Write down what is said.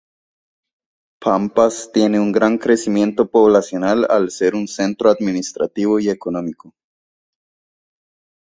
Pampas tiene un gran crecimiento poblacional al ser un centro administrativo y económico.